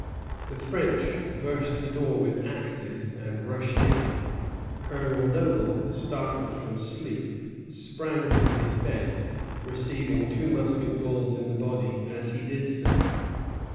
The French burst the door with axes, and rushed in. Colonel Noble, startled from sleep, sprang from his bed, receiving two musket balls in the body as he did so.